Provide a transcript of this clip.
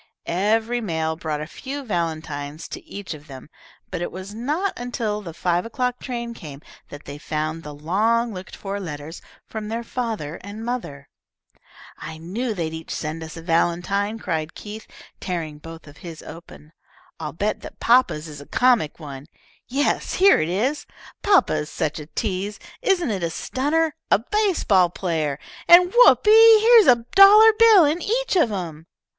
Every mail brought a few valentines to each of them, but it was not until the five o'clock train came that they found the long looked for letters from their father and mother. "I knew they'd each send us a valentine," cried Keith, tearing both of his open. "I'll bet that papa's is a comic one. Yes, here it is. Papa is such a tease. Isn't it a stunner? a base ball player. And, whoopee! Here's a dollar bill in each of 'em."